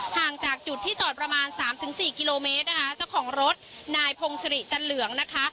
ห่างจากจุดที่จอดประมาณสามถึงสี่กิโลเมตรนะคะเจ้าของรถนายพงศิริจันเหลืองนะคะ